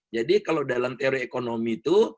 jadi kalau dalam teori ekonomi itu